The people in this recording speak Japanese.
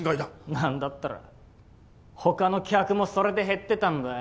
なんだったら他の客もそれで減ってたんだよ。